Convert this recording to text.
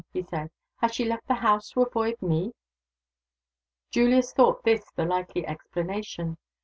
he said. "Has she left the house to avoid Me?" Julius thought this the likely explanation.